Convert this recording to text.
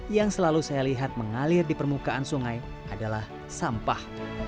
yang selalu saya lihat mengalir di permukaan sungai adalah sampah